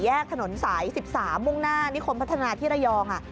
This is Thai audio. ถนนสาย๑๓มุ่งหน้านิคมพัฒนาที่ระยอง